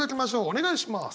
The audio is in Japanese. お願いします。